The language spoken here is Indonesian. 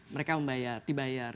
mereka membayar dibayar